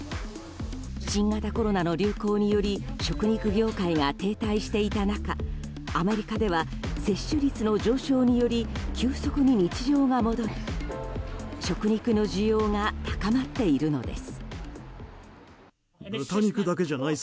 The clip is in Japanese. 新型コロナの流行により食肉業界が停滞していた中アメリカでは接種率の上昇により急速に日常が戻り食肉の需要が高まっているのです。